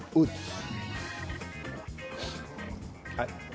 はい。